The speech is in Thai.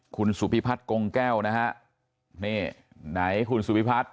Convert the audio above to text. คุณสุพิพัฒน์กงแก้วนะฮะนี่ไหนคุณสุพิพัฒน์